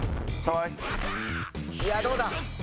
いやどうだ？